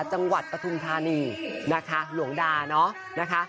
จังหวัดปฐุณฐานีหลวงดาเนอะ